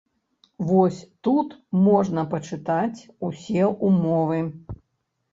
Вось тут можна пачытаць усе ўмовы.